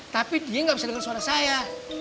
tapi dia gak bisa denger suara saya